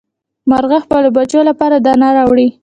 مارغه د خپلو بچیو لپاره دانه راوړي.